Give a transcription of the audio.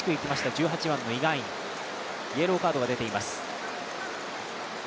１８番のイ・ガンインイエローカードが出ています。